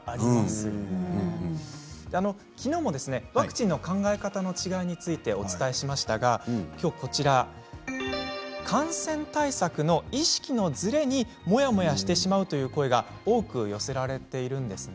きのうもワクチンの考え方の違いをお伝えしましたがきょうは感染対策の意識のずれにモヤモヤしてしまうという声が多く寄せられているんです。